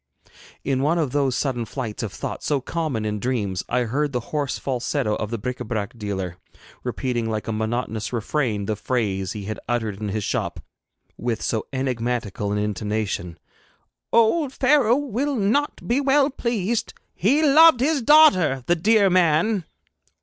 In one of those sudden flights of thought so common in dreams I heard the hoarse falsetto of the bric Ă brac dealer, repeating like a monotonous refrain the phrase he had uttered in his shop with so enigmatical an intonation: 'Old Pharaoh will not be well pleased He loved his daughter, the dear man!'